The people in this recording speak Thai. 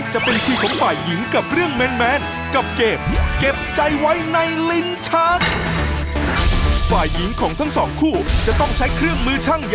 จะต้องออกมาถ่ายเดี่ยวโชคความแม่น